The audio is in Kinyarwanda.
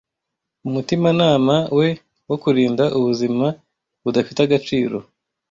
Umutimanama we wo kurinda ubuzima budafite agaciro,